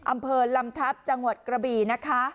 อำเภอลำทัพจังหวัดกระบี่นะคะ